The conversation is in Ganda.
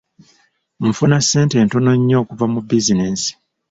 Nfuna ssente ntono nnyo okuva mu bizinensi.